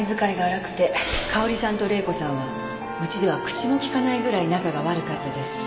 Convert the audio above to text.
香織さんと玲子さんはうちでは口も利かないぐらい仲が悪かったですし